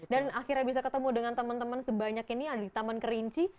dan akhirnya bisa ketemu dengan teman teman sebanyak ini yang ada di taman kerinci